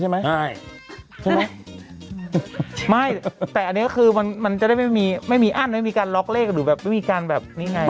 ใช่ใช่ไม่แต่อันนี้ก็คือมันจะได้ไม่มีอ้านไม่มีการล็อกเลขหรือแบบไม่มีการแบบนี่ไง